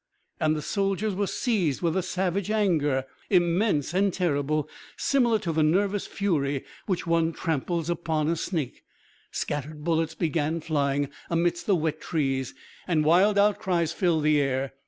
And the soldiers were seized with a savage anger, immense and terrible, similar to the nervous fury with which one tramples upon a snake. Scattered bullets began flying amidst the wet trees, and wild outcries filled the air.